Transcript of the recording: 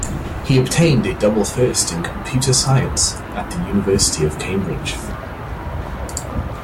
He obtained a double first in Computer Science at the University of Cambridge.